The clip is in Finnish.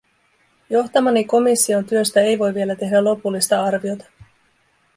Johtamani komission työstä ei voi vielä tehdä lopullista arviota.